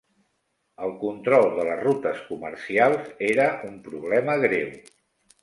El control de les rutes comercials era un problema greu.